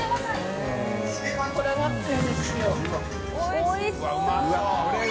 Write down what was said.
おいしそう。